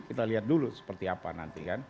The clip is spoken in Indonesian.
kita lihat dulu seperti apa nanti kan